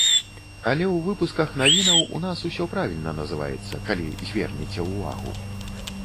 Але ў выпусках навінаў у нас ўсё правільна называецца, калі звернеце ўвагу.